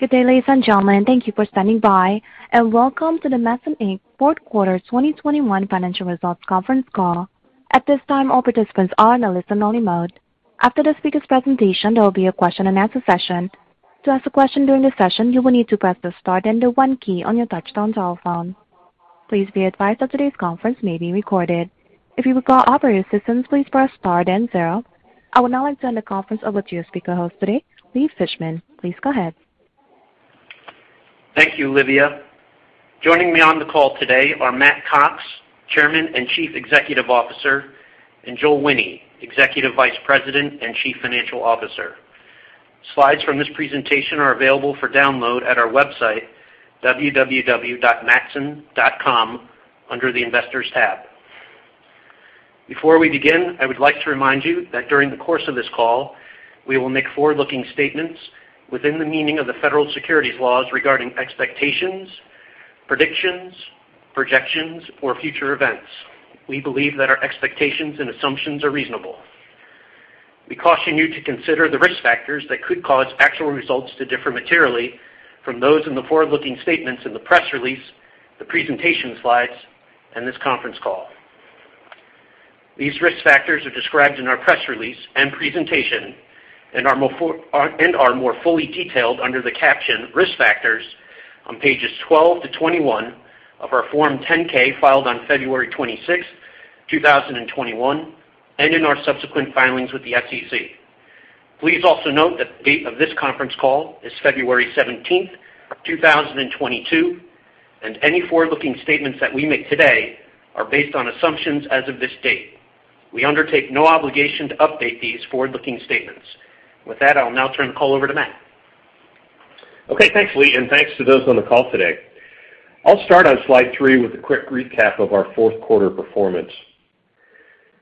Good day, ladies and gentlemen. Thank you for standing by, and welcome to the Matson, Inc. Fourth Quarter 2021 Financial Results Conference Call. At this time, all participants are in a listen-only mode. After the speaker's presentation, there will be a question-and-answer session. To ask a question during the session, you will need to press the star then the one key on your touchtone telephone. Please be advised that today's conference may be recorded. If you require operator assistance, please press star then zero. I would now like to hand the conference over to your speaker host today, Lee Fishman. Please go ahead. Thank you, Olivia. Joining me on the call today are Matt Cox, Chairman and Chief Executive Officer, and Joel Wine, Executive Vice President and Chief Financial Officer. Slides from this presentation are available for download at our website, www.matson.com, under the Investors tab. Before we begin, I would like to remind you that during the course of this call, we will make forward-looking statements within the meaning of the federal securities laws regarding expectations, predictions, projections, or future events. We believe that our expectations and assumptions are reasonable. We caution you to consider the risk factors that could cause actual results to differ materially from those in the forward-looking statements in the press release, the presentation slides, and this conference call. These risk factors are described in our press release and presentation and are more fully detailed under the caption Risk Factors on pages 12-21 of our Form 10-K filed on February 26th, 2021, and in our subsequent filings with the SEC. Please also note that the date of this conference call is February 17th, 2022, and any forward-looking statements that we make today are based on assumptions as of this date. We undertake no obligation to update these forward-looking statements. With that, I'll now turn the call over to Matt. Okay. Thanks, Lee, and thanks to those on the call today. I'll start on slide three with a quick recap of our fourth quarter performance.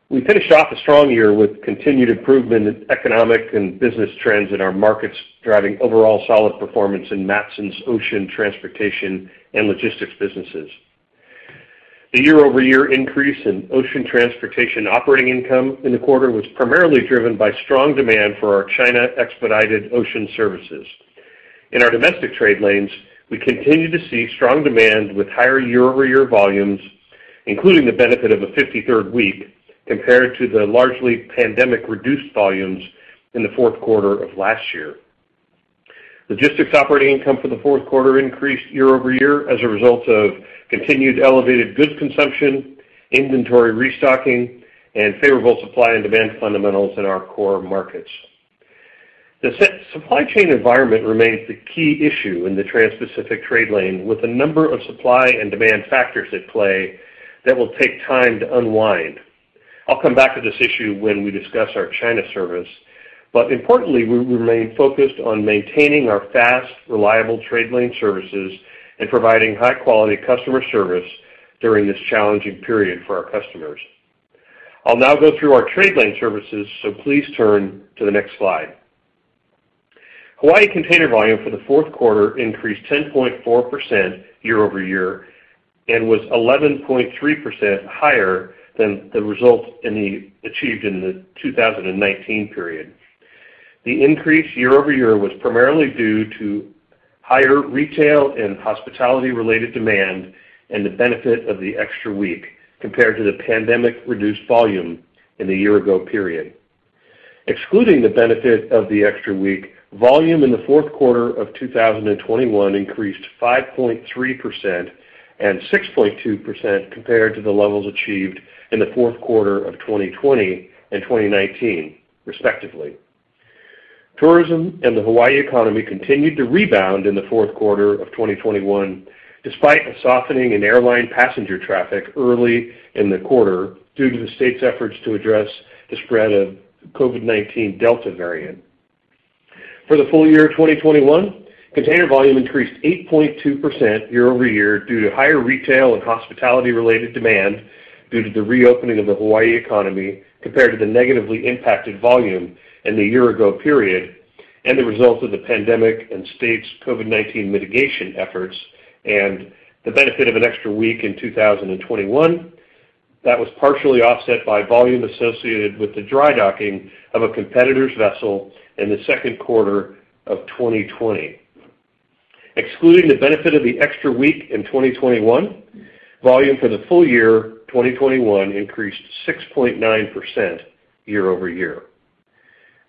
We finished off a strong year with continued improvement in economic and business trends in our markets, driving overall solid performance in Matson's ocean transportation and logistics businesses. The year-over-year increase in ocean transportation operating income in the quarter was primarily driven by strong demand for our China expedited ocean services. In our domestic trade lanes, we continue to see strong demand with higher year-over-year volumes, including the benefit of a 53rd week compared to the largely pandemic reduced volumes in the fourth quarter of last year. Logistics operating income for the fourth quarter increased year-over-year as a result of continued elevated goods consumption, inventory restocking, and favorable supply and demand fundamentals in our core markets. The supply chain environment remains the key issue in the transpacific trade lane with a number of supply and demand factors at play that will take time to unwind. I'll come back to this issue when we discuss our China service. Importantly, we remain focused on maintaining our fast, reliable trade lane services and providing high quality customer service during this challenging period for our customers. I'll now go through our trade lane services, so please turn to the next slide. Hawaii container volume for the fourth quarter increased 10.4% year-over-year and was 11.3% higher than the results achieved in the 2019 period. The increase year-over-year was primarily due to higher retail and hospitality-related demand and the benefit of the extra week compared to the pandemic reduced volume in the year ago period. Excluding the benefit of the extra week, volume in the fourth quarter of 2021 increased 5.3% and 6.2% compared to the levels achieved in the fourth quarter of 2020 and 2019, respectively. Tourism and the Hawaii economy continued to rebound in the fourth quarter of 2021, despite a softening in airline passenger traffic early in the quarter due to the state's efforts to address the spread of COVID-19 Delta variant. For the full year of 2021, container volume increased 8.2% year-over-year due to higher retail and hospitality-related demand due to the reopening of the Hawaii economy compared to the negatively impacted volume in the year-ago period and the result of the pandemic and state's COVID-19 mitigation efforts and the benefit of an extra week in 2021 that was partially offset by volume associated with the dry docking of a competitor's vessel in the second quarter of 2020. Excluding the benefit of the extra week in 2021, volume for the full year 2021 increased 6.9% year-over-year.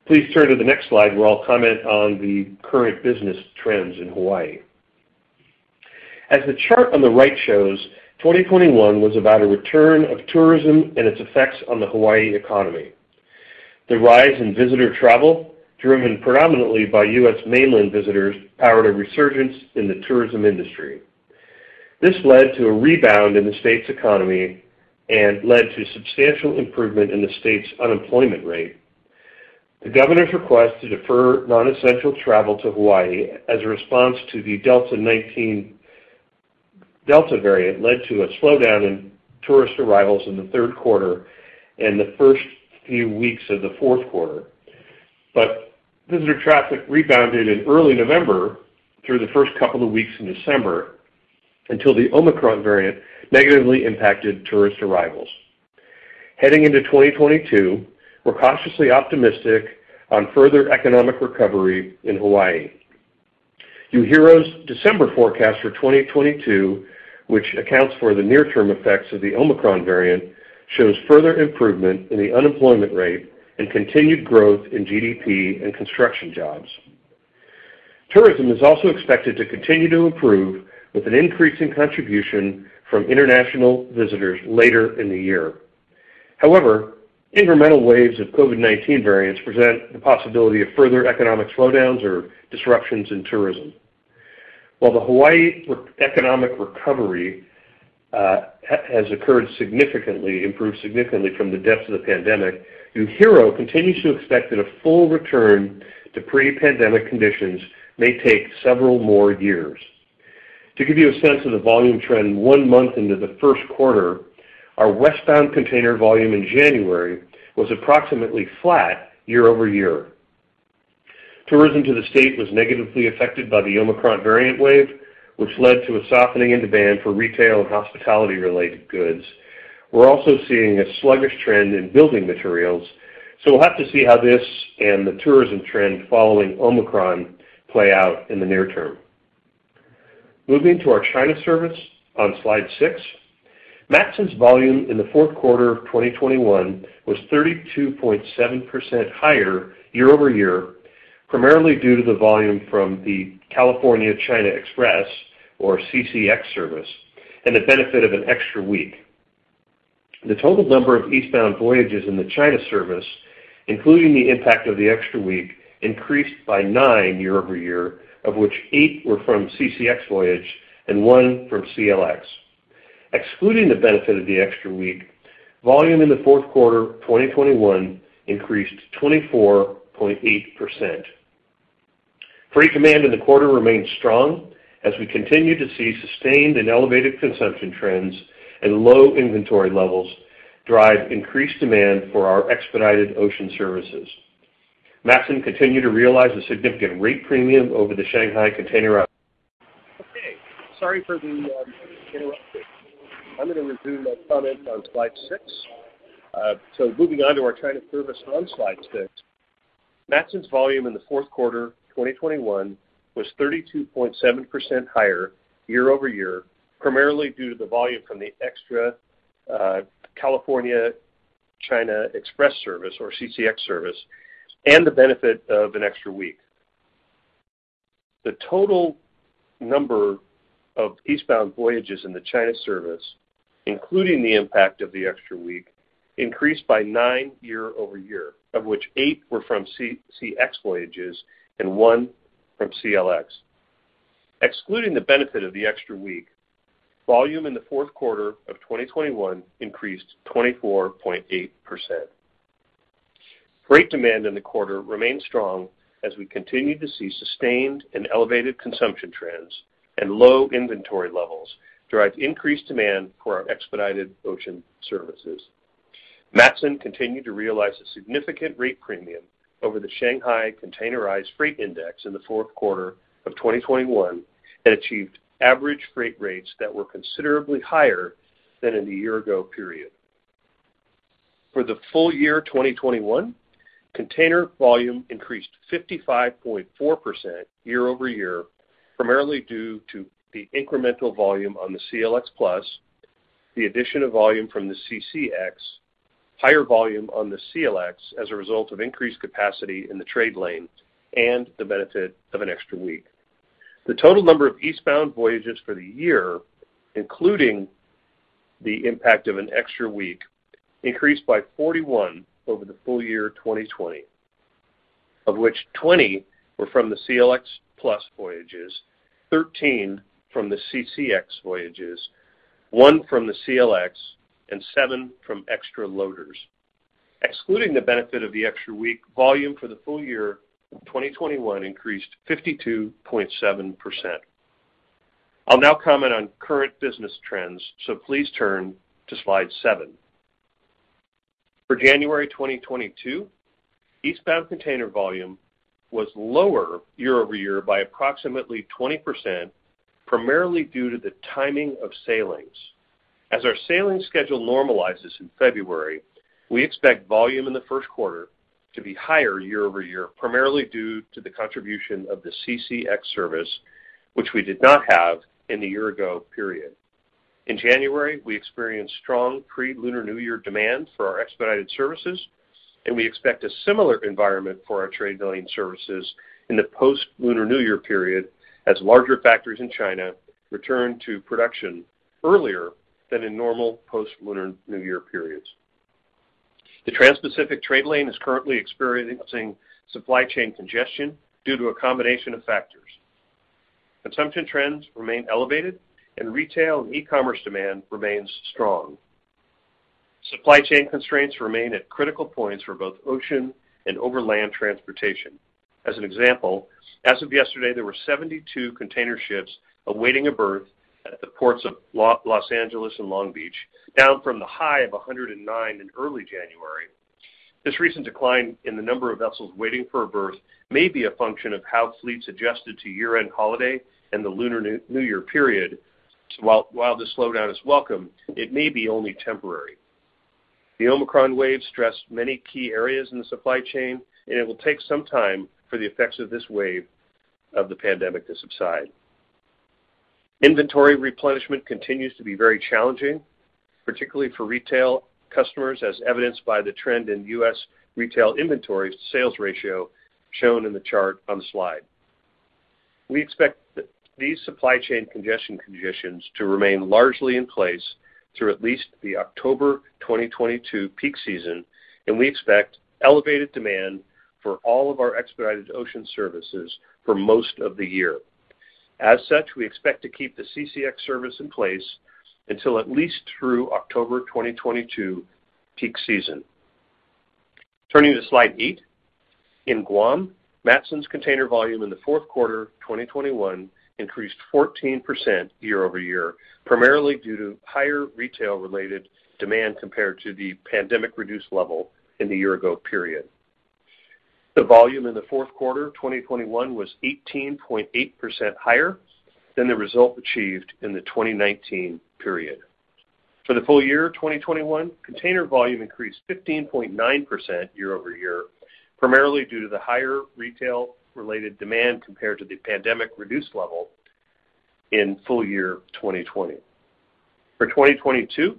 Please turn to the next slide, where I'll comment on the current business trends in Hawaii. As the chart on the right shows, 2021 was about a return of tourism and its effects on the Hawaii economy. The rise in visitor travel, driven predominantly by U.S. mainland visitors, powered a resurgence in the tourism industry. This led to a rebound in the state's economy and led to substantial improvement in the state's unemployment rate. The governor's request to defer non-essential travel to Hawaii as a response to the Delta variant led to a slowdown in tourist arrivals in the third quarter and the first few weeks of the fourth quarter. Visitor traffic rebounded in early November through the first couple of weeks in December until the Omicron variant negatively impacted tourist arrivals. Heading into 2022, we're cautiously optimistic on further economic recovery in Hawaii. UHERO's December forecast for 2022, which accounts for the near-term effects of the Omicron variant, shows further improvement in the unemployment rate and continued growth in GDP and construction jobs. Tourism is also expected to continue to improve with an increase in contribution from international visitors later in the year. However, incremental waves of COVID-19 variants present the possibility of further economic slowdowns or disruptions in tourism. While the Hawaii economic recovery has occurred significantly, improved significantly from the depths of the pandemic, UHERO continues to expect that a full return to pre-pandemic conditions may take several more years. To give you a sense of the volume trend one month into the first quarter, our westbound container volume in January was approximately flat year-over-year. Tourism to the state was negatively affected by the Omicron variant wave, which led to a softening in demand for retail and hospitality-related goods. We're also seeing a sluggish trend in building materials, so we'll have to see how this and the tourism trend following Omicron play out in the near term. Moving to our China service on slide six. Matson's volume in the fourth quarter of 2021 was 32.7% higher year-over-year, primarily due to the volume from the California China Express or CCX service and the benefit of an extra week. The total number of eastbound voyages in the China service, including the impact of the extra week, increased by nineyear-over-year, of which eight were from CCX voyage and one from CLX. Excluding the benefit of the extra week, volume in the fourth quarter of 2021 increased 24.8%. Freight demand in the quarter remained strong as we continue to see sustained and elevated consumption trends and low inventory levels drive increased demand for our expedited ocean services. Matson continued to realize a significant rate premium over the Shanghai Containerized Freight Index. Sorry for the interruption. I'm gonna resume my comment on slide six. Moving on to our China service on slide six. Matson's volume in the fourth quarter of 2021 was 32.7% higher year-over-year, primarily due to the volume from the extra California China Express service or CCX service and the benefit of an extra week. The total number of eastbound voyages in the China service, including the impact of the extra week, increased by nine year-over-year. Of which eight were from CCX voyages and one from CLX. Excluding the benefit of the extra week, volume in the fourth quarter of 2021 increased 24.8%. Freight demand in the quarter remained strong as we continued to see sustained and elevated consumption trends and low inventory levels drive increased demand for our expedited ocean services. Matson continued to realize a significant rate premium over the Shanghai Containerized Freight Index in the fourth quarter of 2021 and achieved average freight rates that were considerably higher than in the year-ago period. For the full year 2021, container volume increased 55.4% year-over-year, primarily due to the incremental volume on the CLX Plus, the addition of volume from the CCX, higher volume on the CLX as a result of increased capacity in the trade lane, and the benefit of an extra week. The total number of eastbound voyages for the year, including the impact of an extra week, increased by 41 over the full year 2020, of which 20 were from the CLX Plus voyages, 13 from the CCX voyages, 1 from the CLX, and 7 from extra loaders. Excluding the benefit of the extra week, volume for the full-year of 2021 increased 52.7%. I'll now comment on current business trends, so please turn to slide seven. For January 2022, eastbound container volume was lower year-over-year by approximately 20%, primarily due to the timing of sailings. As our sailing schedule normalizes in February, we expect volume in the first quarter to be higher year-over-year, primarily due to the contribution of the CCX service which we did not have in the year ago period. In January, we experienced strong pre-Lunar New Year demand for our expedited services, and we expect a similar environment for our trade lane services in the post-Lunar New Year period as larger factories in China return to production earlier than in normal post-Lunar New Year periods. The Transpacific trade lane is currently experiencing supply chain congestion due to a combination of factors. Consumption trends remain elevated, and retail and e-commerce demand remains strong. Supply chain constraints remain at critical points for both ocean and overland transportation. As an example, as of yesterday, there were 72 container ships awaiting a berth at the ports of Los Angeles and Long Beach, down from the high of 109 in early January. This recent decline in the number of vessels waiting for a berth may be a function of how fleets adjusted to year-end holiday and the Lunar New Year period. While this slowdown is welcome, it may be only temporary. The Omicron wave stressed many key areas in the supply chain, and it will take some time for the effects of this wave of the pandemic to subside. Inventory replenishment continues to be very challenging, particularly for retail customers, as evidenced by the trend in U.S. retail inventory sales ratio shown in the chart on the slide. We expect these supply chain congestion conditions to remain largely in place through at least the October 2022 peak season, and we expect elevated demand for all of our expedited ocean services for most of the year. As such, we expect to keep the CCX service in place until at least through October 2022 peak season. Turning to slide eight. In Guam, Matson's container volume in the fourth quarter 2021 increased 14% year-over-year, primarily due to higher retail-related demand compared to the pandemic-reduced level in the year-ago period. The volume in the fourth quarter 2021 was 18.8% higher than the result achieved in the 2019 period. For the full year 2021, container volume increased 15.9% year-over-year, primarily due to the higher retail-related demand compared to the pandemic-reduced level in full-year 2020. For 2022,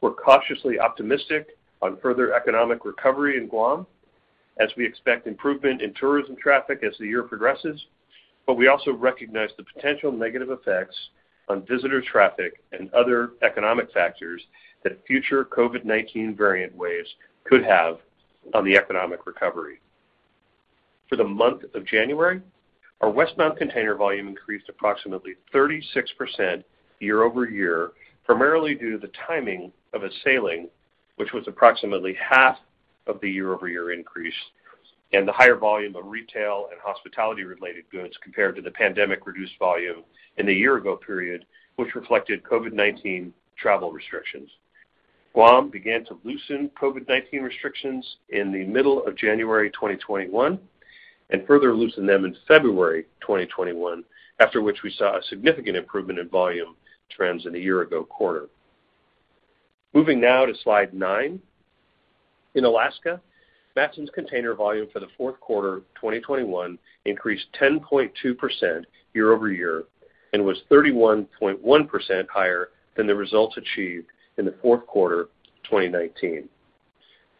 we're cautiously optimistic on further economic recovery in Guam as we expect improvement in tourism traffic as the year progresses, but we also recognize the potential negative effects on visitor traffic and other economic factors that future COVID-19 variant waves could have on the economic recovery. For the month of January, our westbound container volume increased approximately 36% year-over-year, primarily due to the timing of a sailing, which was approximately half of the year-over-year increase, and the higher volume of retail and hospitality-related goods compared to the pandemic-reduced volume in the year-ago period, which reflected COVID-19 travel restrictions. Guam began to loosen COVID-19 restrictions in the middle of January 2021 and further loosened them in February 2021, after which we saw a significant improvement in volume trends in the year-ago quarter. Moving now to slide nine. In Alaska, Matson's container volume for the fourth quarter 2021 increased 10.2% year-over-year and was 31.1% higher than the results achieved in the fourth quarter 2019.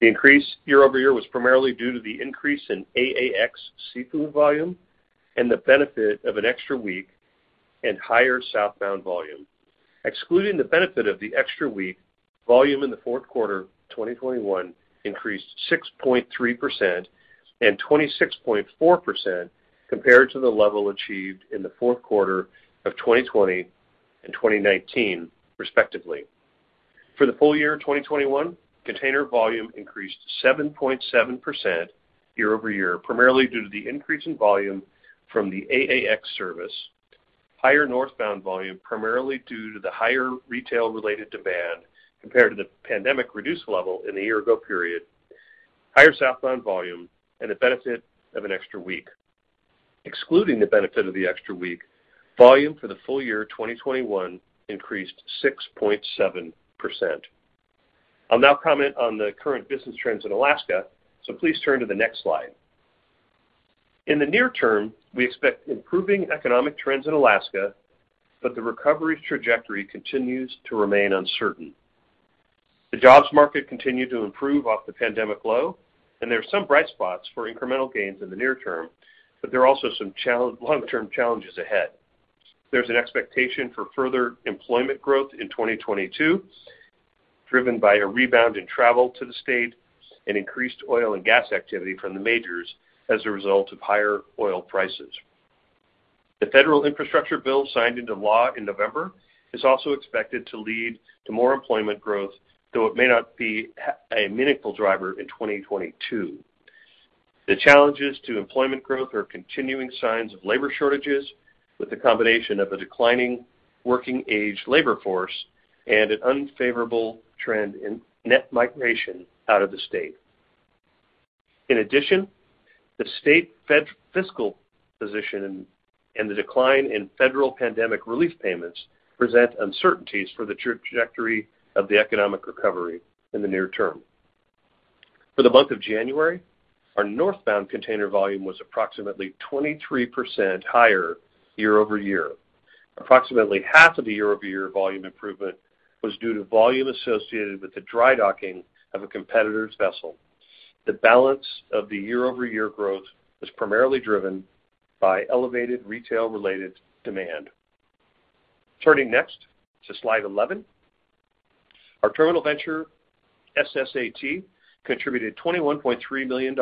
The increase year-over-year was primarily due to the increase in AAX seafood volume and the benefit of an extra week and higher southbound volume. Excluding the benefit of the extra week, volume in the fourth quarter of 2021 increased 6.3% and 26.4% compared to the level achieved in the fourth quarter of 2020 and 2019, respectively. For the full year 2021, container volume increased 7.7% year-over-year, primarily due to the increase in volume from the AAX service, higher northbound volume, primarily due to the higher retail-related demand compared to the pandemic-reduced level in the year ago period, higher southbound volume, and the benefit of an extra week. Excluding the benefit of the extra week, volume for the full-year 2021 increased 6.7%. I'll now comment on the current business trends in Alaska, so please turn to the next slide. In the near term, we expect improving economic trends in Alaska, but the recovery trajectory continues to remain uncertain. The jobs market continued to improve off the pandemic low, and there are some bright spots for incremental gains in the near term, but there are also some long-term challenges ahead. There's an expectation for further employment growth in 2022, driven by a rebound in travel to the state and increased oil and gas activity from the majors as a result of higher oil prices. The federal infrastructure bill signed into law in November is also expected to lead to more employment growth, though it may not be a meaningful driver in 2022. The challenges to employment growth are continuing signs of labor shortages with the combination of a declining working-age labor force and an unfavorable trend in net migration out of the state. In addition, the state fiscal position and the decline in federal pandemic relief payments present uncertainties for the trajectory of the economic recovery in the near term. For the month of January, our northbound container volume was approximately 23% higher year-over-year. Approximately half of the year-over-year volume improvement was due to volume associated with the dry docking of a competitor's vessel. The balance of the year-over-year growth was primarily driven by elevated retail-related demand. Turning next to slide 11. Our terminal venture, SSAT, contributed $21.3 million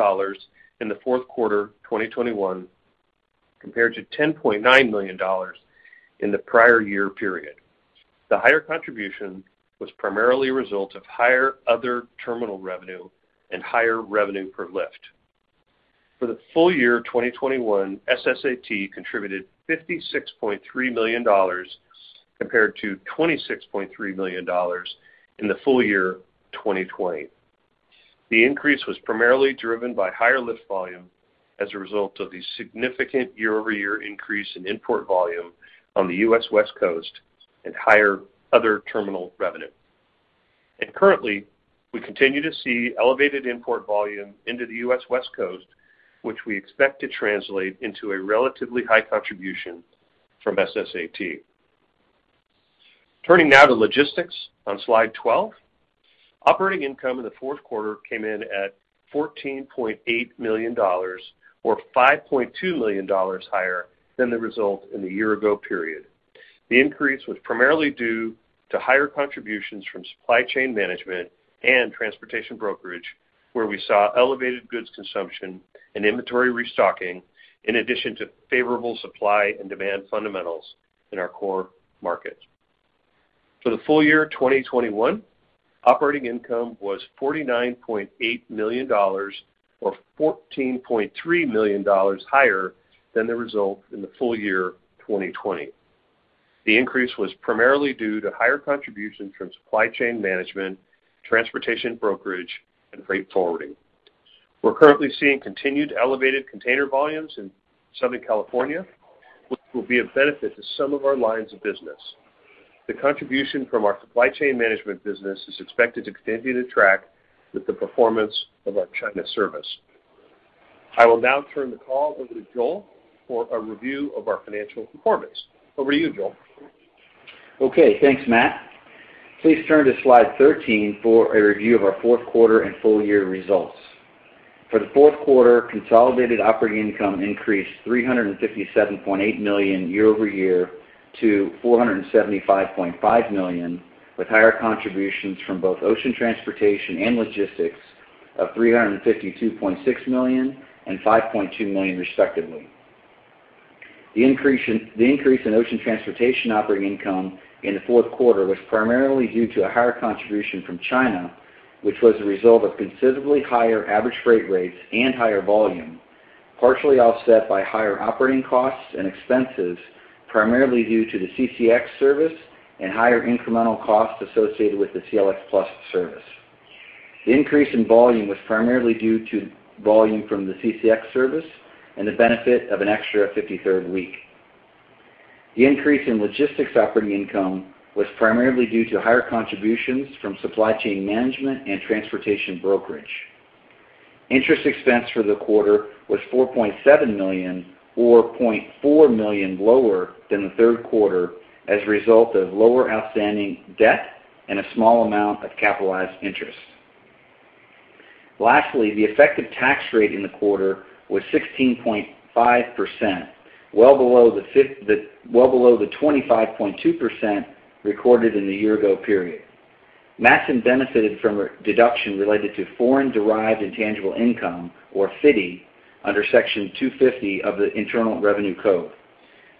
in the fourth quarter 2021 compared to $10.9 million in the prior year period. The higher contribution was primarily a result of higher other terminal revenue and higher revenue per lift. For the full-year 2021, SSAT contributed $56.3 million compared to $26.3 million in the full-year 2020. The increase was primarily driven by higher lift volume as a result of the significant year-over-year increase in import volume on the U.S. West Coast and higher other terminal revenue. Currently, we continue to see elevated import volume into the U.S. West Coast, which we expect to translate into a relatively high contribution from SSAT. Turning now to logistics on slide 12. Operating income in the fourth quarter came in at $14.8 million or $5.2 million higher than the result in the year-ago period. The increase was primarily due to higher contributions from supply chain management and transportation brokerage, where we saw elevated goods consumption and inventory restocking, in addition to favorable supply and demand fundamentals in our core markets. For the full-year 2021, operating income was $49.8 million or $14.3 million higher than the result in the full-year 2020. The increase was primarily due to higher contribution from supply chain management, transportation brokerage, and freight forwarding. We're currently seeing continued elevated container volumes in Southern California, which will be a benefit to some of our lines of business. The contribution from our supply chain management business is expected to continue to track with the performance of our China service. I will now turn the call over to Joel for a review of our financial performance. Over to you, Joel. Okay, thanks, Matt. Please turn to slide 13 for a review of our fourth quarter and full-year results. For the fourth quarter, consolidated operating income increased $357.8 million year-over-year to $475.5 million, with higher contributions from both Ocean Transportation and Logistics of $352.6 million and $5.2 million, respectively. The increase in ocean transportation operating income in the fourth quarter was primarily due to a higher contribution from China, which was a result of considerably higher average freight rates and higher volume, partially offset by higher operating costs and expenses, primarily due to the CCX service and higher incremental costs associated with the CLX Plus service. The increase in volume was primarily due to volume from the CCX service and the benefit of an extra 53rd week. The increase in logistics operating income was primarily due to higher contributions from supply chain management and transportation brokerage. Interest expense for the quarter was $4.7 million or $0.4 million lower than the third quarter as a result of lower outstanding debt and a small amount of capitalized interest. Lastly, the effective tax rate in the quarter was 16.5%, well below the 25.2% recorded in the year-ago period. Matson benefited from a deduction related to foreign-derived intangible income, or FDII, under Section 250 of the Internal Revenue Code.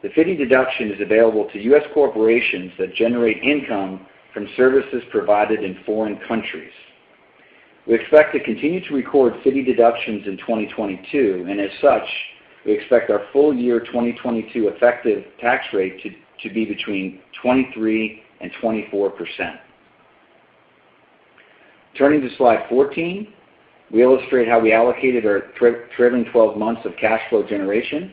The FDII deduction is available to U.S. corporations that generate income from services provided in foreign countries. We expect to continue to record FDII deductions in 2022, and as such, we expect our full-year 2022 effective tax rate to be between 23% and 24%. Turning to slide 14, we illustrate how we allocated our trailing 12 months of cash flow generation.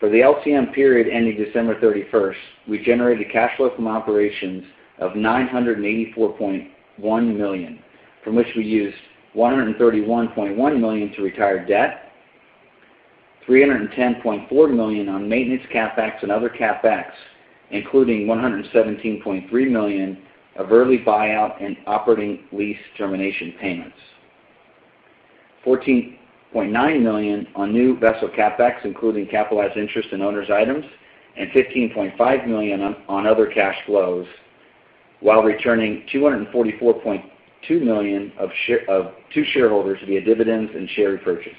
For the LTM period ending December 31st, we generated cash flow from operations of $984.1 million, from which we used $131.1 million to retire debt, $310.4 million on maintenance CapEx and other CapEx, including $117.3 million of early buyout and operating lease termination payments. $14.9 million on new vessel CapEx, including capitalized interest and owners' items, and $15.5 million on other cash flows, while returning $244.2 million of shares of to shareholders via dividends and share repurchase.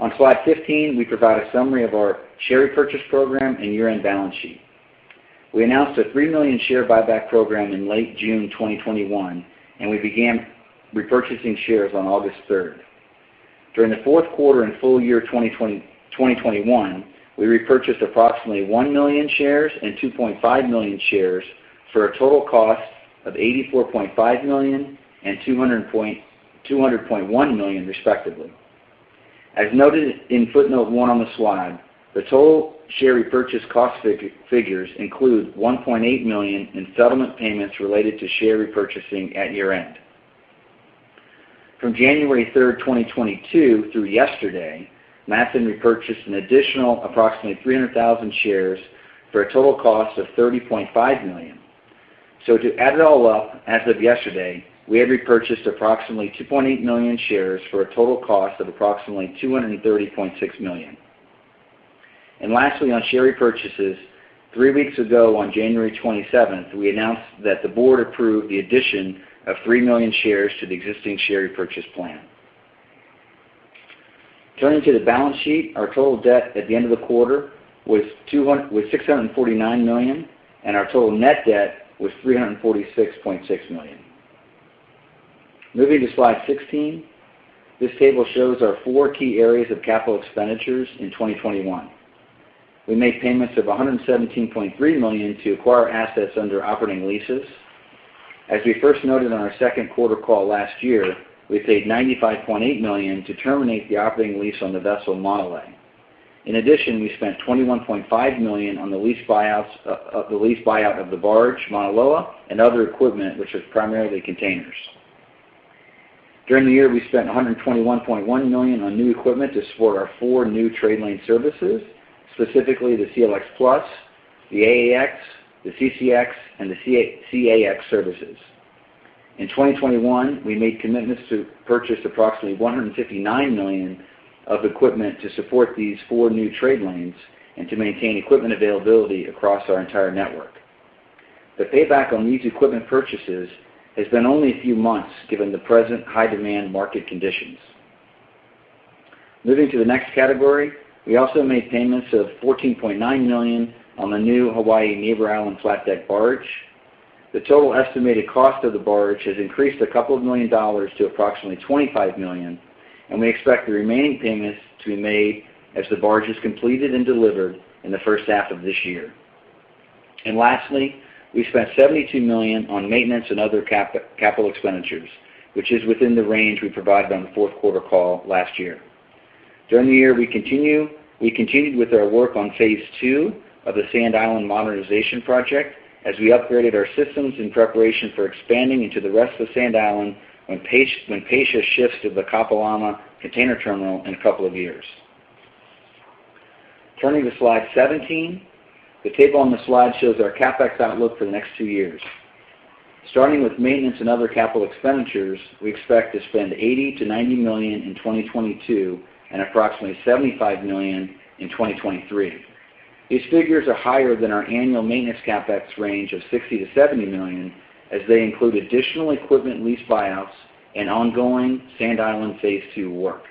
On slide 15, we provide a summary of our share repurchase program and year-end balance sheet. We announced a 3 million share buyback program in late June 2021, and we began repurchasing shares on August 3rd. During the fourth quarter and full-year 2020, 2021, we repurchased approximately 1 million shares and 2.5 million shares for a total cost of $84.5 million and $200.1 million, respectively. As noted in footnote 1 on the slide, the total share repurchase cost figures include $1.8 million in settlement payments related to share repurchasing at year-end. From January 3rd, 2022 through yesterday, Matson repurchased an additional approximately 300,000 shares for a total cost of $30.5 million. To add it all up, as of yesterday, we have repurchased approximately 2.8 million shares for a total cost of approximately $230.6 million. Lastly, on share repurchases, three weeks ago on January 27th, we announced that the board approved the addition of 3 million shares to the existing share repurchase plan. Turning to the balance sheet, our total debt at the end of the quarter was $649 million, and our total net debt was $346.6 million. Moving to slide 16. This table shows our 4 key areas of capital expenditures in 2021. We made payments of $117.3 million to acquire assets under operating leases. As we first noted on our second quarter call last year, we paid $95.8 million to terminate the operating lease on the vessel Maunawili. In addition, we spent $21.5 million on the lease buyout of the barge, Malolo, and other equipment, which is primarily containers. During the year, we spent $121.1 million on new equipment to support our 4 new trade lane services, specifically the CLX Plus, the AAX, the CCX, and the CAX services. In 2021, we made commitments to purchase approximately $159 million of equipment to support these four new trade lanes and to maintain equipment availability across our entire network. The payback on these equipment purchases has been only a few months, given the present high demand market conditions. Moving to the next category, we also made payments of $14.9 million on the new Hawaii Neighbor Island flat deck barge. The total estimated cost of the barge has increased a couple of million dollars to approximately $25 million, and we expect the remaining payments to be made as the barge is completed and delivered in the first half of this year. Lastly, we spent $72 million on maintenance and other capital expenditures, which is within the range we provided on the fourth quarter call last year. During the year, we continued with our work on phase two of the Sand Island modernization project as we upgraded our systems in preparation for expanding into the rest of Sand Island when Pasha shifts to the Kapalama Container Terminal in a couple of years. Turning to slide 17. The table on this slide shows our CapEx outlook for the next two years. Starting with maintenance and other capital expenditures, we expect to spend $80 million-$90 million in 2022 and approximately $75 million in 2023. These figures are higher than our annual maintenance CapEx range of $60 million-$70 million, as they include additional equipment lease buyouts and ongoing Sand Island phase two work.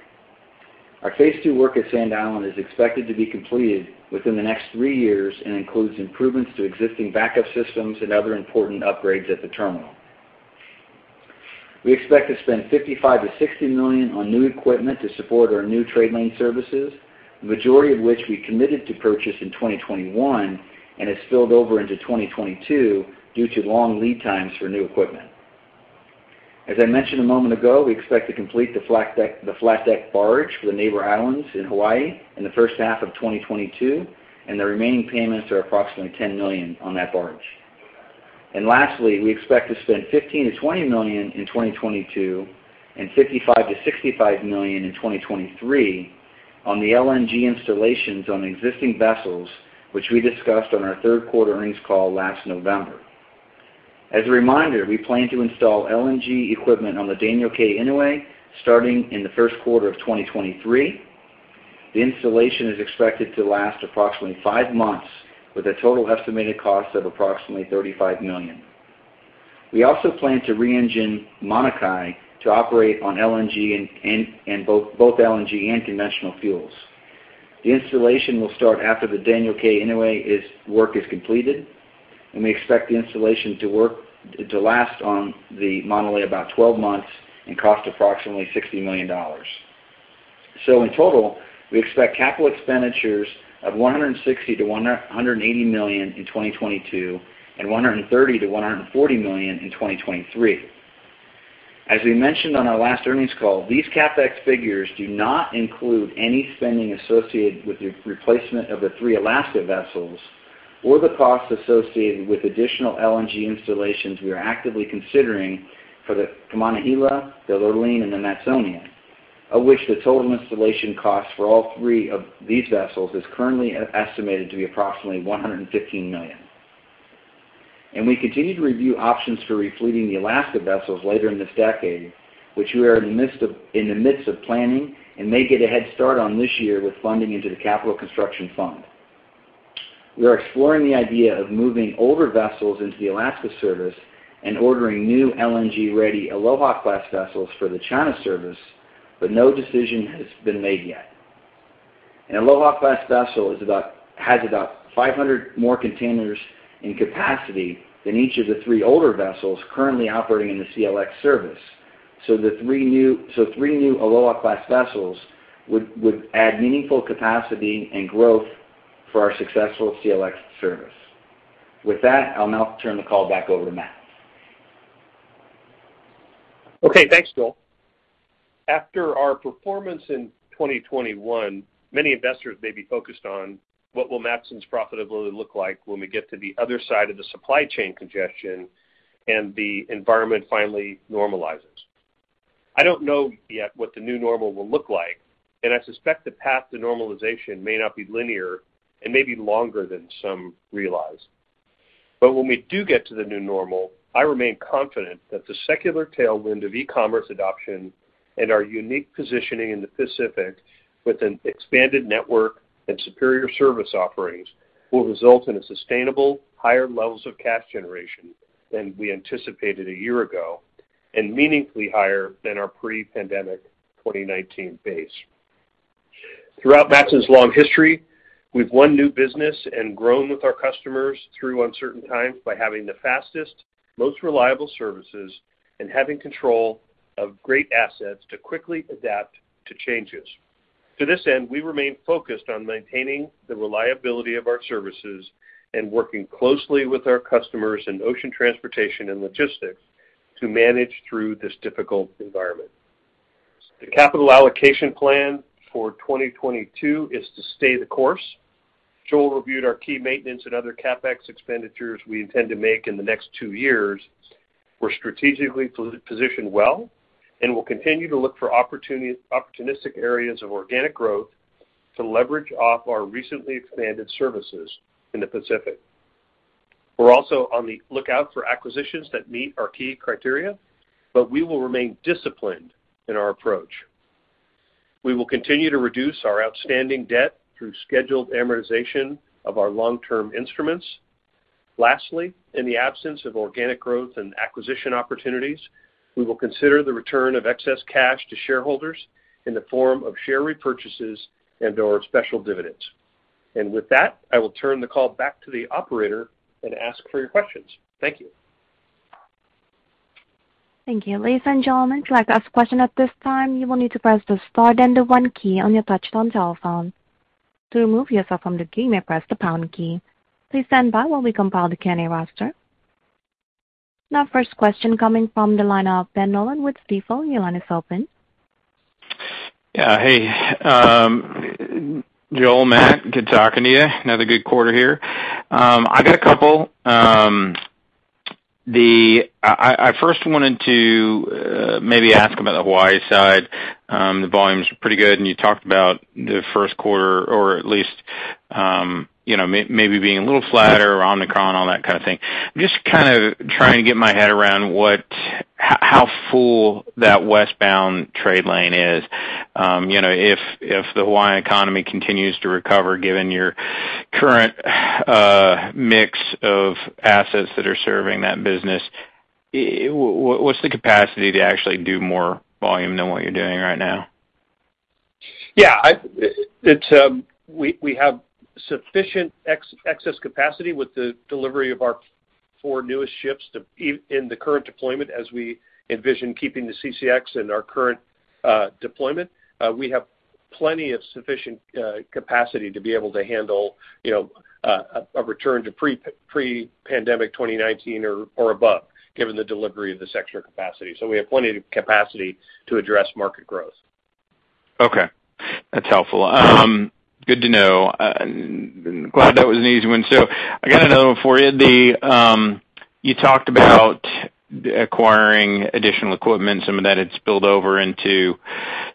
Our phase two work at Sand Island is expected to be completed within the next three years and includes improvements to existing backup systems and other important upgrades at the terminal. We expect to spend $55 million-$60 million on new equipment to support our new trade lane services, the majority of which we committed to purchase in 2021 and has spilled over into 2022 due to long lead times for new equipment. As I mentioned a moment ago, we expect to complete the flat deck barge for the Neighbor Islands in Hawaii in the first half of 2022, and the remaining payments are approximately $10 million on that barge. Lastly, we expect to spend $15 million-$20 million in 2022 and $55 million-$65 million in 2023 on the LNG installations on existing vessels, which we discussed on our third quarter earnings call last November. As a reminder, we plan to install LNG equipment on the Daniel K. Inouye starting in the first quarter of 2023. The installation is expected to last approximately five months, with a total estimated cost of approximately $35 million. We also plan to re-engine Mauna Kea to operate on LNG and both LNG and conventional fuels. The installation will start after the Daniel K. Inouye work is completed, and we expect the installation to last on the Mauna Kea about 12 months and cost approximately $60 million. In total, we expect capital expenditures of $160 million-$180 million in 2022 and $130 million-$140 million in 2023. As we mentioned on our last earnings call, these CapEx figures do not include any spending associated with the replacement of the three Alaska vessels or the costs associated with additional LNG installations we are actively considering for the Kaimana Hila, the Lurline, and the Matsonia, of which the total installation cost for all three of these vessels is currently estimated to be approximately $115 million. We continue to review options for re-fleeting the Alaska vessels later in this decade, which we are in the midst of planning and may get a head start on this year with funding into the Capital Construction Fund. We are exploring the idea of moving older vessels into the Alaska service and ordering new LNG-ready Aloha Class vessels for the China service, but no decision has been made yet. An Aloha Class vessel has about 500 more containers in capacity than each of the three older vessels currently operating in the CLX service. Three new Aloha Class vessels would add meaningful capacity and growth for our successful CLX service. With that, I'll now turn the call back over to Matt. Okay, thanks, Joel. After our performance in 2021, many investors may be focused on what will Matson's profitability look like when we get to the other side of the supply chain congestion and the environment finally normalizes. I don't know yet what the new normal will look like, and I suspect the path to normalization may not be linear and may be longer than some realize. But when we do get to the new normal, I remain confident that the secular tailwind of e-commerce adoption and our unique positioning in the Pacific with an expanded network and superior service offerings will result in a sustainable higher levels of cash generation than we anticipated a year ago. Meaningfully higher than our pre-pandemic 2019 base. Throughout Matson's long history, we've won new business and grown with our customers through uncertain times by having the fastest, most reliable services and having control of great assets to quickly adapt to changes. To this end, we remain focused on maintaining the reliability of our services and working closely with our customers in ocean transportation and logistics to manage through this difficult environment. The capital allocation plan for 2022 is to stay the course. Joel reviewed our key maintenance and other CapEx expenditures we intend to make in the next two years. We're strategically positioned well, and we'll continue to look for opportunistic areas of organic growth to leverage off our recently expanded services in the Pacific. We're also on the lookout for acquisitions that meet our key criteria, but we will remain disciplined in our approach. We will continue to reduce our outstanding debt through scheduled amortization of our long-term instruments. Lastly, in the absence of organic growth and acquisition opportunities, we will consider the return of excess cash to shareholders in the form of share repurchases and/or special dividends. With that, I will turn the call back to the operator and ask for your questions. Thank you. Thank you. Ladies and gentlemen, if you'd like to ask a question at this time, you will need to press the star then the one key on your touch-tone telephone. To remove yourself from the queue, you may press the pound key. Please stand by while we compile the Q&A roster. Now first question coming from the line of Ben Nolan with Stifel. Your line is open. Yeah, hey, Joel, Matt, good talking to you. Another good quarter here. I got a couple. I first wanted to maybe ask about the Hawaii side. The volume's pretty good, and you talked about the first quarter or at least, you know, maybe being a little flatter, Omicron, all that kind of thing. I'm just kind of trying to get my head around how full that westbound trade lane is. You know, if the Hawaiian economy continues to recover given your current mix of assets that are serving that business, what's the capacity to actually do more volume than what you're doing right now? We have sufficient excess capacity with the delivery of our four newest ships in the current deployment as we envision keeping the CCX in our current deployment. We have plenty of sufficient capacity to be able to handle, you know, a return to pre-pandemic 2019 or above, given the delivery of this extra capacity. We have plenty of capacity to address market growth. Okay. That's helpful. Good to know. Glad that was an easy one. I got another one for you. You talked about acquiring additional equipment, some of that had spilled over into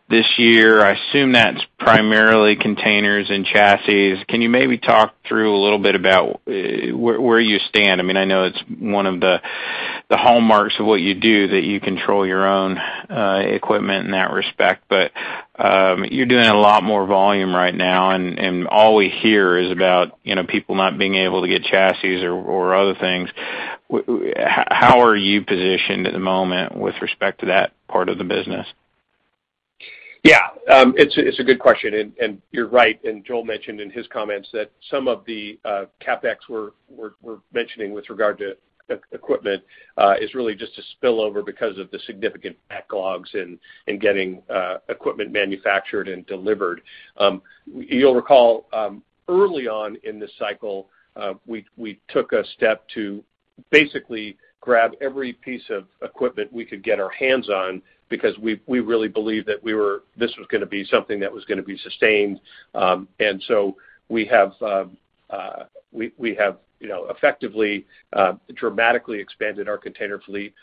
this year. I assume that's primarily containers and chassis. Can you maybe talk through a little bit about where you stand? I mean, I know it's one of the hallmarks of what you do that you control your own equipment in that respect. You're doing a lot more volume right now, and all we hear is about, you know, people not being able to get chassis or other things. How are you positioned at the moment with respect to that part of the business? It's a good question, and you're right. Joel mentioned in his comments that some of the CapEx we're mentioning with regard to equipment is really just a spillover because of the significant backlogs in getting equipment manufactured and delivered. You'll recall early on in this cycle we took a step to basically grab every piece of equipment we could get our hands on because we really believed that this was gonna be something that was gonna be sustained. We have, you know, effectively dramatically expanded our container fleet,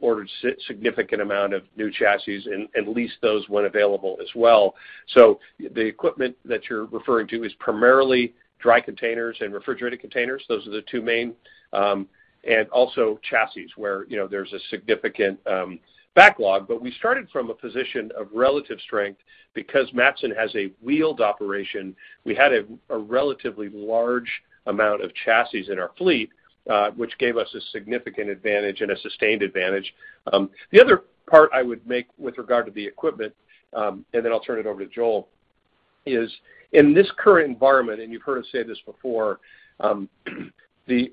ordered significant amount of new chassis and leased those when available as well. The equipment that you're referring to is primarily dry containers and refrigerated containers. Those are the two main, and also chassis where, you know, there's a significant backlog. We started from a position of relative strength because Matson has a wheeled operation. We had a relatively large amount of chassis in our fleet, which gave us a significant advantage and a sustained advantage. The other part I would make with regard to the equipment, and then I'll turn it over to Joel, is in this current environment, and you've heard us say this before, the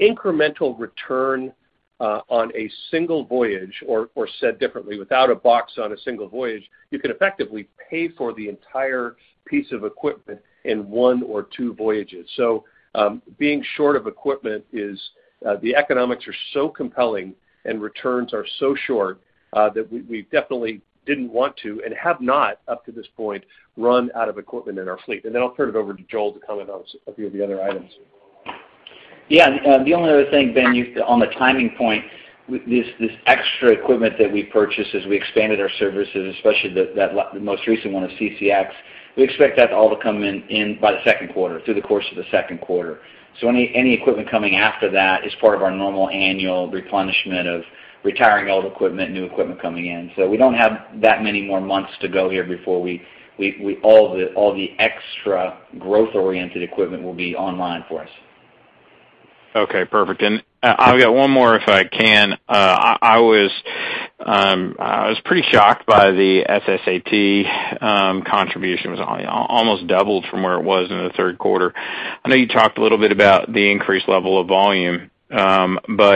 incremental return, on a single voyage or said differently, without a box on a single voyage, you can effectively pay for the entire piece of equipment in one or two voyages. Being short of equipment, the economics are so compelling and returns are so short that we definitely didn't want to and have not up to this point run out of equipment in our fleet. I'll turn it over to Joel Wine to comment on a few of the other items. Yeah. The only other thing, Ben, on the timing point, this extra equipment that we purchased as we expanded our services, especially the most recent one, the CCX, we expect that all to come in by the second quarter, through the course of the second quarter. So any equipment coming after that is part of our normal annual replenishment of retiring old equipment, new equipment coming in. So we don't have that many more months to go here before all the extra growth-oriented equipment will be online for us. Okay, perfect. I've got one more if I can. I was pretty shocked by the SSAT contribution was almost doubled from where it was in the third quarter. I know you talked a little bit about the increased level of volume. I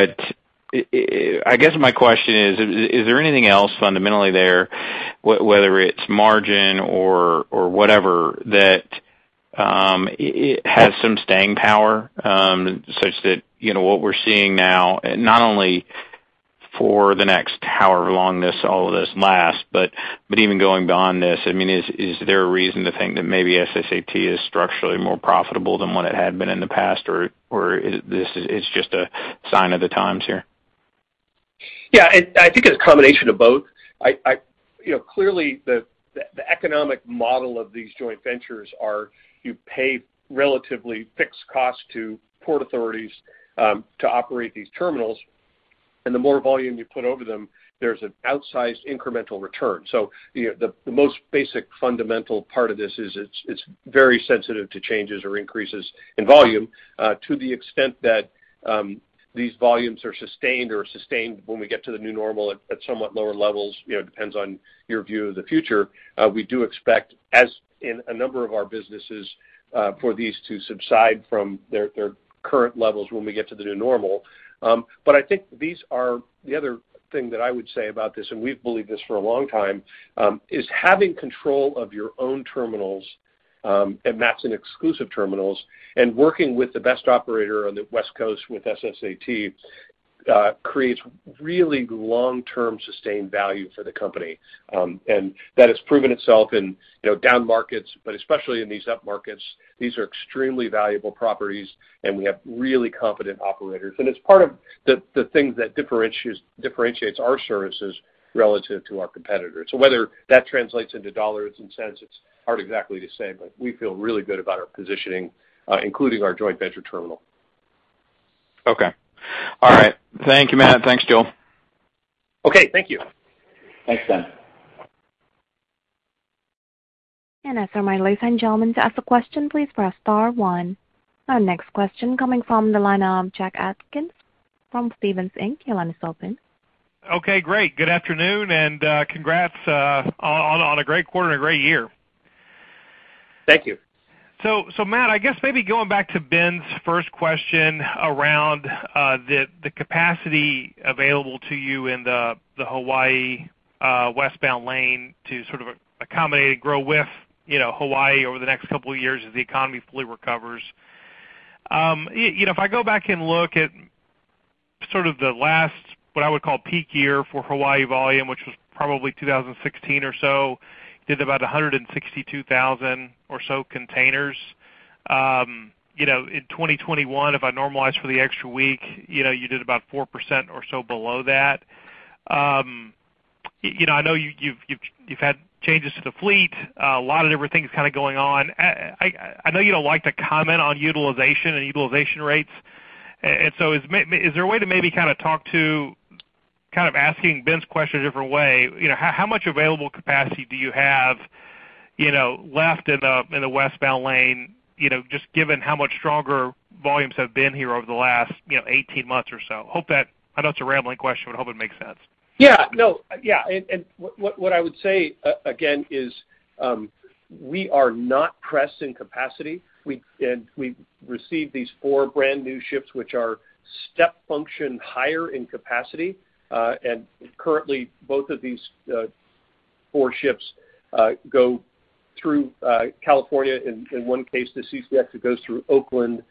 guess my question is there anything else fundamentally there, whether it's margin or whatever, that it has some staying power such that, you know, what we're seeing now, not only for the next however long this all lasts, but even going beyond this, I mean, is there a reason to think that maybe SSAT is structurally more profitable than what it had been in the past? Or is this just a sign of the times here? Yeah, I think it's a combination of both. You know, clearly the economic model of these joint ventures are you pay relatively fixed costs to port authorities to operate these terminals. The more volume you put over them, there's an outsized incremental return. You know, the most basic fundamental part of this is it's very sensitive to changes or increases in volume, to the extent that these volumes are sustained when we get to the new normal at somewhat lower levels, you know, depends on your view of the future. We do expect, as in a number of our businesses, for these to subside from their current levels when we get to the new normal. I think these are the other thing that I would say about this, and we've believed this for a long time, is having control of your own terminals, and that's in exclusive terminals, and working with the best operator on the West Coast with SSAT, creates really long-term sustained value for the company. That has proven itself in, you know, down markets, but especially in these up markets. These are extremely valuable properties, and we have really competent operators. It's part of the things that differentiates our services relative to our competitors. Whether that translates into dollars and cents, it's hard exactly to say, but we feel really good about our positioning, including our joint venture terminal. Okay. All right. Thank you, Matt. Thanks, Joel. Okay. Thank you. Thanks, Ben. At this time, ladies and gentlemen, to ask a question, please press star one. Our next question coming from the line of Jack Atkins from Stephens Inc. Your line is open. Okay, great. Good afternoon, and congrats on a great quarter and a great year. Thank you. Matt, I guess maybe going back to Ben's first question around the capacity available to you in the Hawaii westbound lane to sort of accommodate and grow with, you know, Hawaii over the next couple of years as the economy fully recovers. You know, if I go back and look at sort of the last, what I would call peak year for Hawaii volume, which was probably 2016 or so, did about 162,000 or so containers. You know, in 2021, if I normalize for the extra week, you know, you did about 4% or so below that. You know, I know you've had changes to the fleet. A lot of different things kind of going on. I know you don't like to comment on utilization and rates. Is there a way to maybe kind of talk to kind of asking Ben's question a different way? You know, how much available capacity do you have, you know, left in the westbound lane, you know, just given how much stronger volumes have been here over the last 18 months or so? Hope that I know it's a rambling question, but hope it makes sense. Yeah. No. Yeah. What I would say again is we are not pressed for capacity. We've received these four brand new ships, which are step function higher in capacity. Currently both of these four ships go through California. In one case, the CCX, it goes through Oakland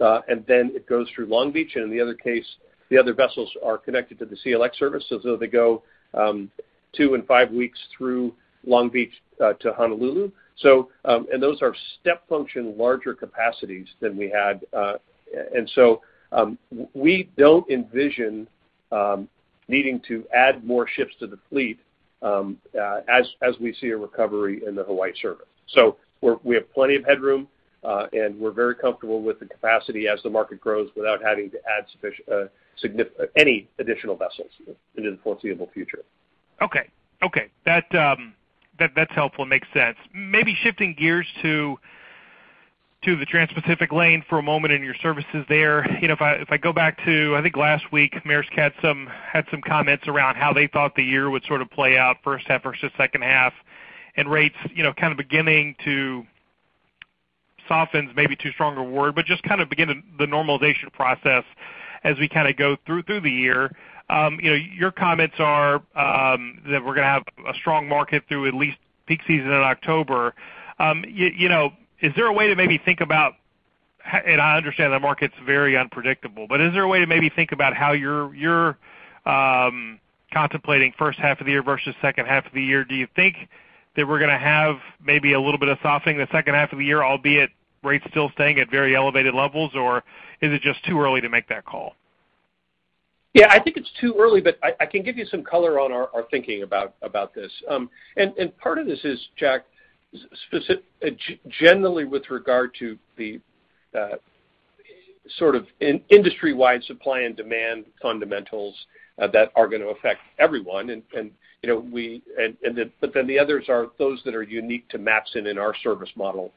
and then it goes through Long Beach. In the other case, the other vessels are connected to the CLX service. They go two and five weeks through Long Beach to Honolulu. Those are step function larger capacities than we had. We don't envision needing to add more ships to the fleet as we see a recovery in the Hawaii service. We have plenty of headroom, and we're very comfortable with the capacity as the market grows without having to add any additional vessels into the foreseeable future. Okay. That's helpful and makes sense. Maybe shifting gears to the transpacific trade lane for a moment in your services there. You know, if I go back to, I think last week, Maersk had some comments around how they thought the year would sort of play out first half versus second half and rates, you know, kind of beginning to soften is maybe too strong a word, but just kind of begin the normalization process as we kinda go through the year. You know, your comments are that we're gonna have a strong market through at least peak season in October. You know, is there a way to maybe think about, and I understand the market's very unpredictable, but is there a way to maybe think about how you're contemplating first half of the year versus second half of the year? Do you think that we're gonna have maybe a little bit of softening the second half of the year, albeit rates still staying at very elevated levels, or is it just too early to make that call? Yeah, I think it's too early, but I can give you some color on our thinking about this. Part of this is, Jack, generally with regard to the sort of industry-wide supply and demand fundamentals that are gonna affect everyone. The others are those that are unique to Matson and our service model.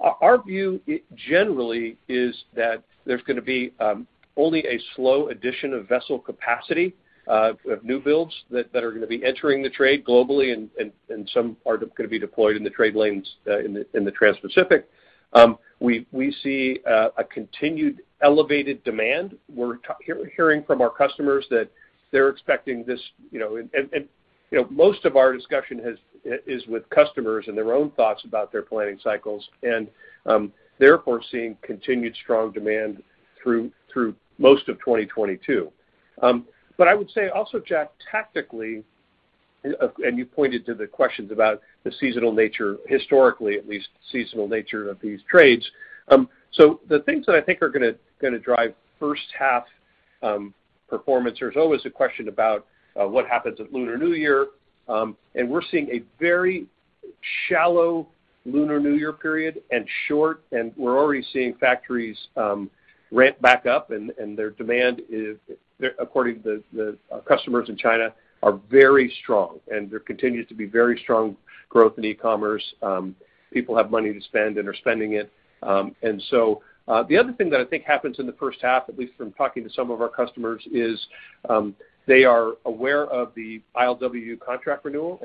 Our view generally is that there's gonna be only a slow addition of vessel capacity of new builds that are gonna be entering the trade globally and some are gonna be deployed in the trade lanes in the transpacific. We see a continued elevated demand. We're hearing from our customers that they're expecting this, you know. You know, most of our discussion is with customers and their own thoughts about their planning cycles, and therefore seeing continued strong demand through most of 2022. I would say also, Jack, tactically, and you pointed to the questions about the seasonal nature, historically at least, seasonal nature of these trades. The things that I think are gonna drive first half performance, there's always a question about what happens at Lunar New Year. We're seeing a very shallow Lunar New Year period and short, and we're already seeing factories ramp back up and their demand is, according to the customers in China, very strong. There continues to be very strong growth in e-commerce. People have money to spend and are spending it. The other thing that I think happens in the first half, at least from talking to some of our customers, is they are aware of the ILWU contract renewal.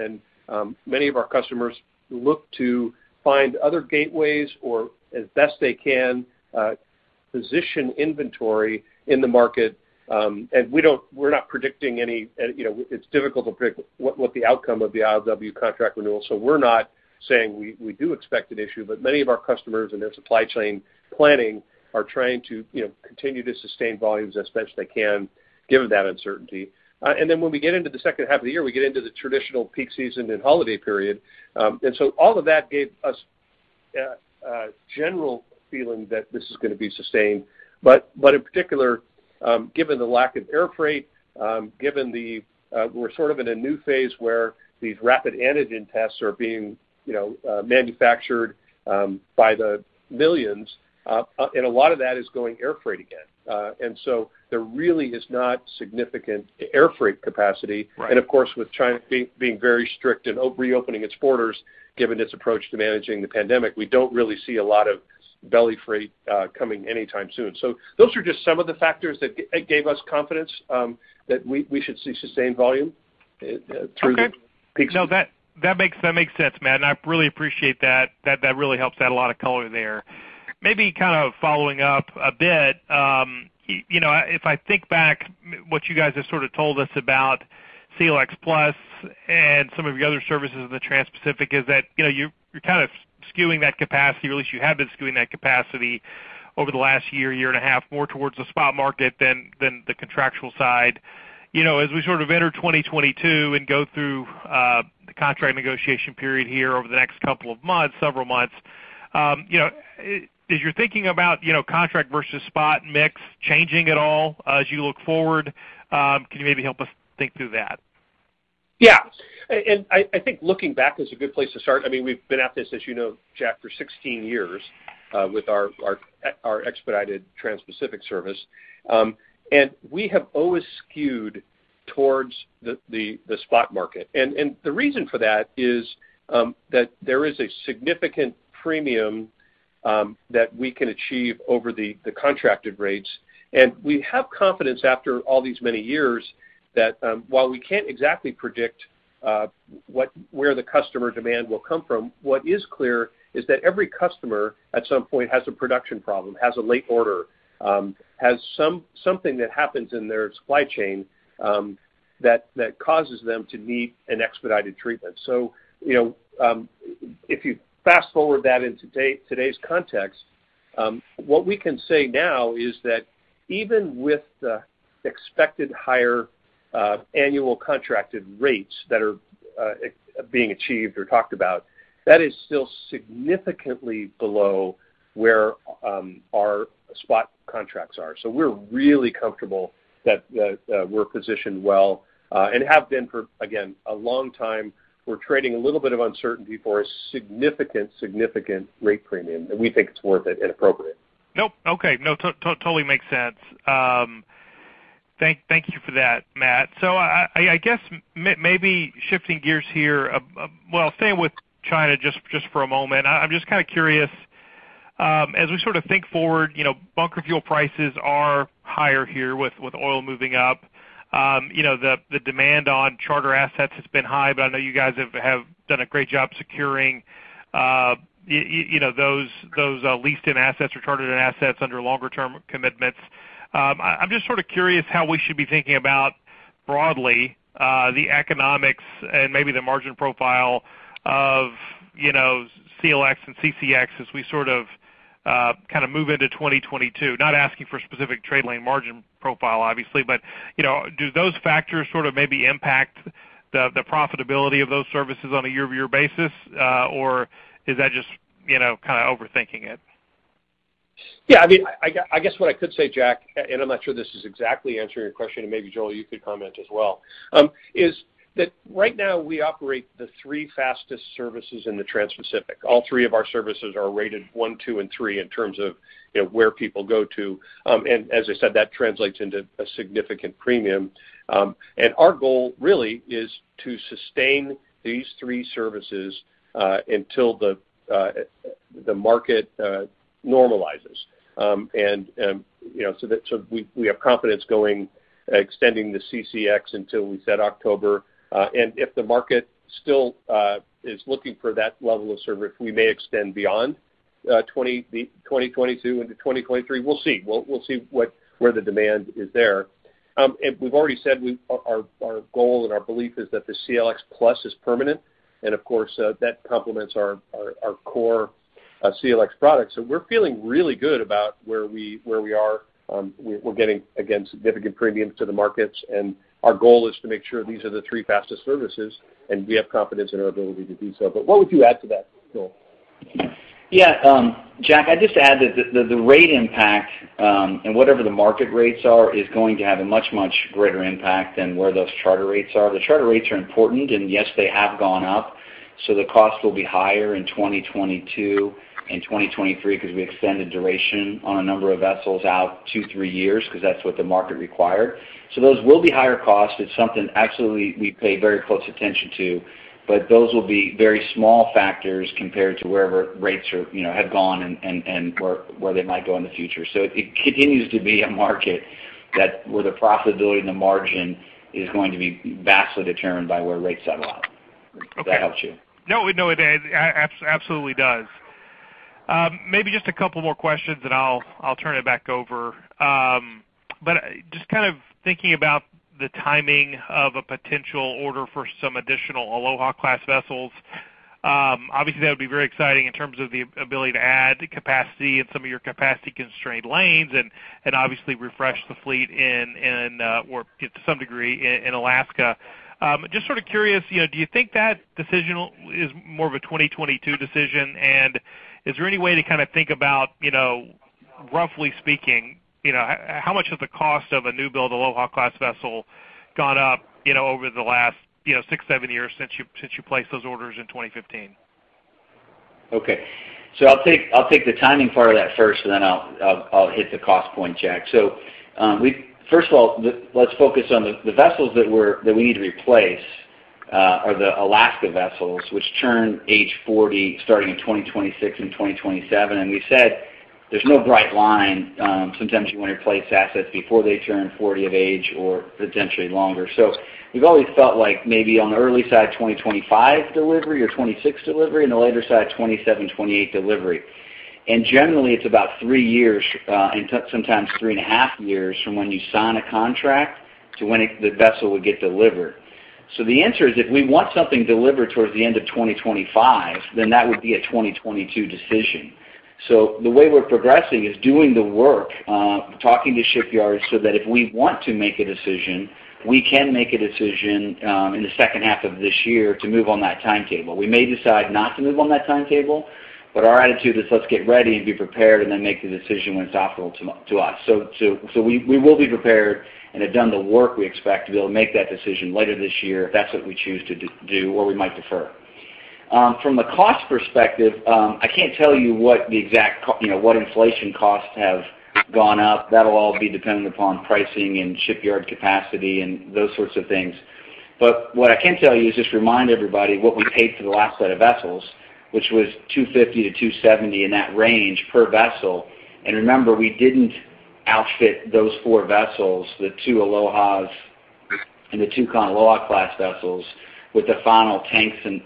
Many of our customers look to find other gateways or as best they can position inventory in the market. We're not predicting any, you know, it's difficult to predict what the outcome of the ILWU contract renewal. We're not saying we do expect an issue, but many of our customers and their supply chain planning are trying to, you know, continue to sustain volumes as best they can given that uncertainty. When we get into the second half of the year, we get into the traditional peak season and holiday period. All of that gave us a general feeling that this is gonna be sustained. In particular, given the lack of air freight, given the lack of air freight, we're sort of in a new phase where these rapid antigen tests are being, you know, manufactured by the millions, and a lot of that is going air freight again. There really is not significant air freight capacity. Right. Of course, with China being very strict in reopening its borders, given its approach to managing the pandemic, we don't really see a lot of belly freight coming anytime soon. Those are just some of the factors that gave us confidence that we should see sustained volume through the peak season. Okay. No, that makes sense, Matt, and I really appreciate that. That really helps add a lot of color there. Maybe kind of following up a bit, you know, if I think back what you guys have sort of told us about CLX Plus and some of your other services in the transpacific is that, you know, you're kind of skewing that capacity, or at least you have been skewing that capacity over the last year and a half more towards the spot market than the contractual side. You know, as we sort of enter 2022 and go through the contract negotiation period here over the next couple of months, several months, you know, is your thinking about, you know, contract versus spot mix changing at all as you look forward? Can you maybe help us think through that? Yeah. I think looking back is a good place to start. I mean, we've been at this, as you know, Jack, for 16 years with our expedited Transpacific service. We have always skewed towards the spot market. The reason for that is that there is a significant premium that we can achieve over the contracted rates. We have confidence after all these many years that while we can't exactly predict what where the customer demand will come from, what is clear is that every customer at some point has a production problem, has a late order, has something that happens in their supply chain that causes them to need an expedited treatment. You know, if you fast-forward that into today's context, what we can say now is that even with the expected higher annual contracted rates that are being achieved or talked about, that is still significantly below where our spot contracts are. We're really comfortable that we're positioned well and have been for, again, a long time. We're trading a little bit of uncertainty for a significant rate premium, and we think it's worth it and appropriate. Nope. Okay. No, totally makes sense. Thank you for that, Matt. I guess maybe shifting gears here, well, staying with China just for a moment. I'm just kind of curious, as we sort of think forward, you know, bunker fuel prices are higher here with oil moving up. You know, the demand on charter assets has been high, but I know you guys have done a great job securing, you know, those leased-in assets or chartered-in assets under longer term commitments. I'm just sort of curious how we should be thinking about broadly the economics and maybe the margin profile of, you know, CLX and CCX as we sort of kind of move into 2022. Not asking for specific trade lane margin profile obviously, but you know, do those factors sort of maybe impact the profitability of those services on a year-over-year basis? Or is that just you know, kind of overthinking it? Yeah, I mean, I guess what I could say, Jack, and I'm not sure this is exactly answering your question, and maybe Joel, you could comment as well, is that right now we operate the 3 fastest services in the Transpacific. All three of our services are rated 1, 2, and 3 in terms of you know, where people go to. And as I said, that translates into a significant premium. And our goal really is to sustain these 3 services until the market normalizes. We have confidence in extending the CCX until we said October. If the market still is looking for that level of service, we may extend beyond 2022 into 2023. We'll see. We'll see where the demand is there. We've already said our goal and our belief is that the CLX Plus is permanent, and of course, that complements our core CLX product. We're feeling really good about where we are. We're getting, again, significant premiums to the markets, and our goal is to make sure these are the three fastest services, and we have confidence in our ability to do so. What would you add to that, Joel? Yeah. Jack, I'd just add that the rate impact and whatever the market rates are is going to have a much, much greater impact than where those charter rates are. The charter rates are important, and yes, they have gone up, so the cost will be higher in 2022 and 2023 because we extended duration on a number of vessels out 2-3 years because that's what the market required. Those will be higher cost. It's something actually we pay very close attention to, but those will be very small factors compared to wherever rates are, you know, have gone and where they might go in the future. It continues to be a market that where the profitability and the margin is going to be vastly determined by where rates settle out. Okay. If that helps you. No, no, it absolutely does. Maybe just a couple more questions, and I'll turn it back over. But just kind of thinking about the timing of a potential order for some additional Aloha Class vessels, obviously, that would be very exciting in terms of the ability to add capacity in some of your capacity-constrained lanes and obviously refresh the fleet or to some degree in Alaska. Just sort of curious, you know, do you think that decision is more of a 2022 decision? And is there any way to kind of think about, you know, roughly speaking, you know, how much of the cost of a new build Aloha Class vessel gone up, you know, over the last, you know, six, seven years since you placed those orders in 2015? Okay. I'll take the timing part of that first, and then I'll hit the cost point, Jack. First of all, let's focus on the vessels that we need to replace are the Alaska vessels, which turn age 40 starting in 2026 and 2027. We said there's no bright line. Sometimes you want to replace assets before they turn 40 of age or potentially longer. We've always felt like maybe on the early side, 2025 delivery or 2026 delivery, and the later side, 2027, 2028 delivery. Generally, it's about three years, and sometimes 3.5 years from when you sign a contract to when the vessel would get delivered. The answer is, if we want something delivered towards the end of 2025, then that would be a 2022 decision. The way we're progressing is doing the work, talking to shipyards so that if we want to make a decision, we can make a decision in the second half of this year to move on that timetable. We may decide not to move on that timetable, but our attitude is let's get ready and be prepared and then make the decision when it's optimal to us. We will be prepared and have done the work we expect to be able to make that decision later this year if that's what we choose to do, or we might defer. From a cost perspective, I can't tell you what the exact, you know, what inflation costs have gone up. That'll all be dependent upon pricing and shipyard capacity and those sorts of things. What I can tell you is just remind everybody what we paid for the last set of vessels, which was $250 million-$270 million in that range per vessel. Remember, we didn't outfit those four vessels, the two Alohas and the two Kanaloa Class vessels with the final tanks and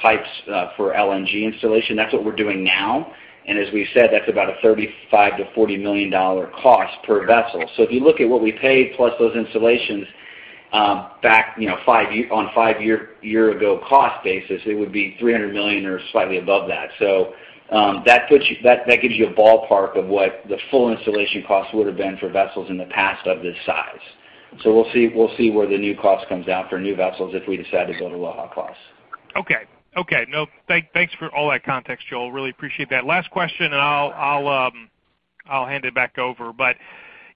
pipes for LNG installation. That's what we're doing now. As we said, that's about a $35 million-$40 million cost per vessel. If you look at what we paid plus those installations, back, you know, five years ago cost basis, it would be $300 million or slightly above that. That gives you a ballpark of what the full installation cost would have been for vessels in the past of this size. We'll see where the new cost comes out for new vessels if we decide to go to Aloha Class. Okay. No, thanks for all that context, Joel. Really appreciate that. Last question, and I'll hand it back over.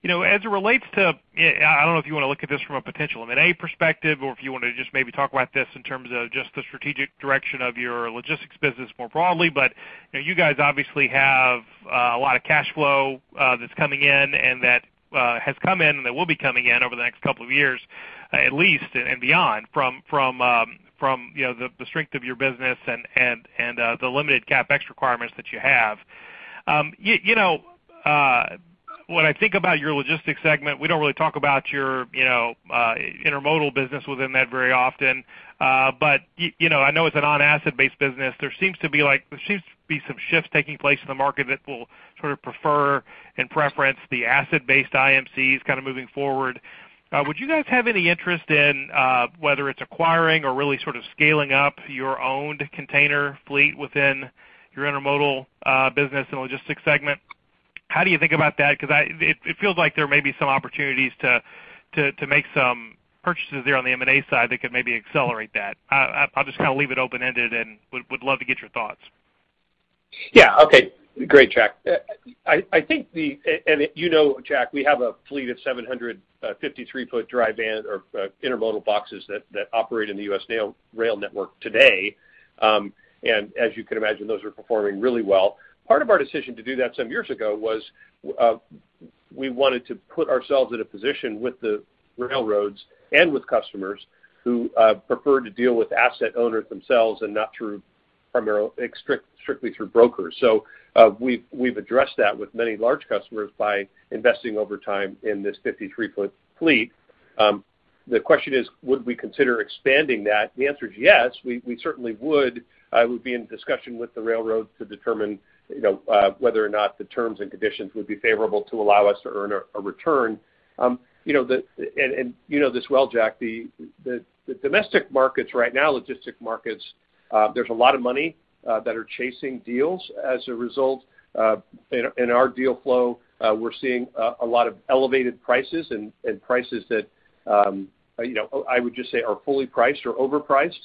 You know, as it relates to, I don't know if you want to look at this from a potential M&A perspective or if you want to just maybe talk about this in terms of just the strategic direction of your logistics business more broadly. You know, you guys obviously have a lot of cash flow that's coming in and that has come in and that will be coming in over the next couple of years, at least and the limited CapEx requirements that you have. You know, when I think about your logistics segment, we don't really talk about your, you know, intermodal business within that very often. But you know, I know it's a non-asset-based business. There seems to be some shifts taking place in the market that will sort of prefer and preference the asset-based IMCs kind of moving forward. Would you guys have any interest in whether it's acquiring or really sort of scaling up your owned container fleet within your intermodal business and logistics segment? How do you think about that? Because it feels like there may be some opportunities to make some purchases there on the M&A side that could maybe accelerate that. I'll just kind of leave it open-ended and would love to get your thoughts. Yeah. Okay. Great, Jack. I think, and you know, Jack, we have a fleet of 753-foot dry van or intermodal boxes that operate in the U.S. rail network today. As you can imagine, those are performing really well. Part of our decision to do that some years ago was, we wanted to put ourselves in a position with the railroads and with customers who prefer to deal with asset owners themselves and not through primarily exclusively through brokers. We've addressed that with many large customers by investing over time in this 53-foot fleet. The question is, would we consider expanding that? The answer is yes, we certainly would. I would be in discussion with the railroad to determine, you know, whether or not the terms and conditions would be favorable to allow us to earn a return. You know, you know this well, Jack, the domestic markets right now, logistics markets, there's a lot of money that are chasing deals as a result, in our deal flow, we're seeing a lot of elevated prices and prices that, you know, I would just say are fully priced or overpriced.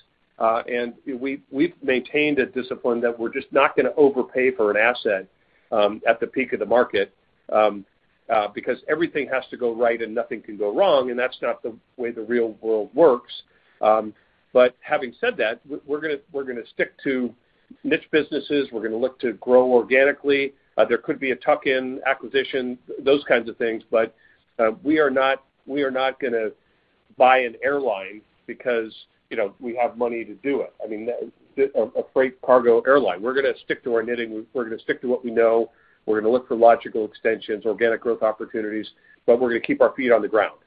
We've maintained a discipline that we're just not gonna overpay for an asset at the peak of the market because everything has to go right and nothing can go wrong, and that's not the way the real world works. Having said that, we're gonna stick to niche businesses. We're gonna look to grow organically. There could be a tuck-in acquisition, those kinds of things. We are not gonna buy an airline because, you know, we have money to do it. I mean, a freight cargo airline. We're gonna stick to our knitting. We're gonna stick to what we know. We're gonna look for logical extensions, organic growth opportunities, but we're gonna keep our feet on the ground.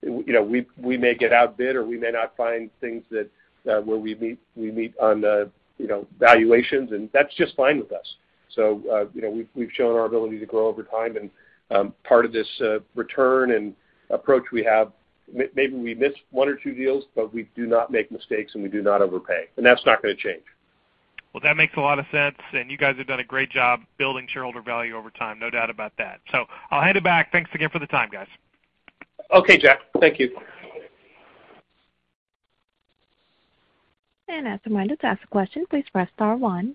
You know, we may get outbid or we may not find things that where we meet on the, you know, valuations, and that's just fine with us. You know, we've shown our ability to grow over time and, part of this, return and approach we have, maybe we miss one or two deals, but we do not make mistakes, and we do not overpay. That's not gonna change. Well, that makes a lot of sense, and you guys have done a great job building shareholder value over time. No doubt about that. I'll hand it back. Thanks again for the time, guys. Okay, Jack. Thank you. As a reminder, to ask a question, please press star one.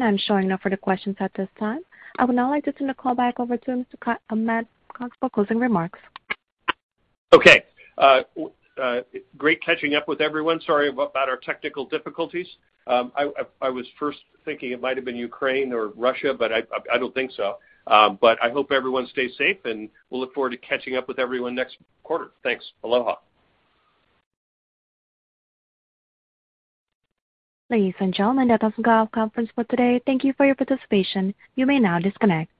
I'm showing no further questions at this time. I would now like to turn the call back over to Mr. Matt Cox for closing remarks. Okay. Great catching up with everyone. Sorry about our technical difficulties. I was first thinking it might have been Ukraine or Russia, but I don't think so. I hope everyone stays safe, and we'll look forward to catching up with everyone next quarter. Thanks. Aloha. Ladies and gentlemen, that does conclude our conference for today. Thank you for your participation. You may now disconnect.